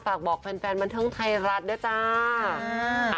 ฝากบอกแฟนบ้างเถิ่งไทยรัฐเท่าไหร่จ้า